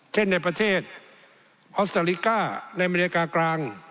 เช่นในประเทศฮอสเตอริกาในอเมริกากลาง